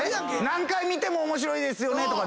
何回見ても面白いですよねとか。